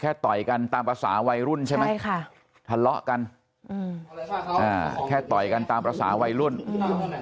ต่อยกันตามภาษาวัยรุ่นใช่ไหมใช่ค่ะทะเลาะกันอืมอ่าแค่ต่อยกันตามภาษาวัยรุ่นอืม